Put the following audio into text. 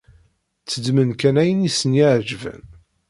Tteddmen kan ayen i sen-iɛeǧben.